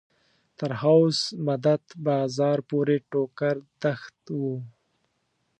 تر حوض مدد بازار پورې ټوکر دښت و.